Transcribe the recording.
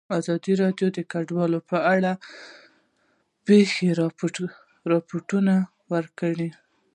ازادي راډیو د کډوال په اړه د پېښو رپوټونه ورکړي.